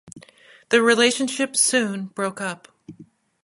The relationship soon broke up.